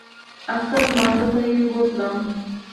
اختر لمانځه ته یې بوتلم.